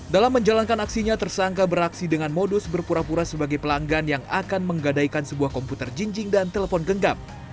dalam menjalankan aksinya tersangka beraksi dengan modus berpura pura sebagai pelanggan yang akan menggadaikan sebuah komputer jinjing dan telepon genggam